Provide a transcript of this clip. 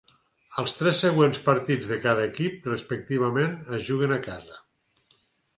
Els tres següents partits de cada equip respectivament es juguen a casa.